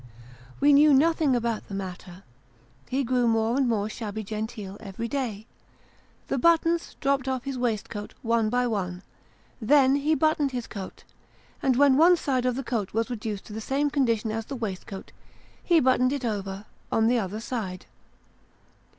We knew nothing about the matter ; he grew more and more shabby genteel every day. The buttons dropped off his waistcoat, one by one ; then, he buttoned his coat ; and when one side of the coat was reduced to the same condition as the waistcoast, he buttoned it over on the other side.